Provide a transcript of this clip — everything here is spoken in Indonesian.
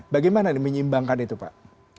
bagaimana menyeimbangkan itu pak